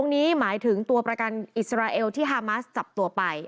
นี้หมายถึงตัวประกันอิสราเอลที่ฮามาสจับตัวไป